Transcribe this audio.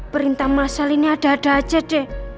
perintah masal ini ada ada aja deh